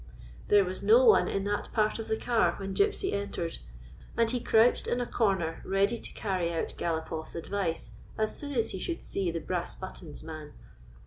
There was no one in that part of the car when Gypsy entered, and he crouched in a corner ready to carry out Galopoff's advice as soon as he should see the " brass buttons " man.